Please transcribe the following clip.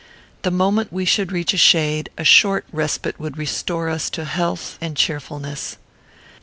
The moment we should reach a shade, a short respite would restore us to health and cheerfulness.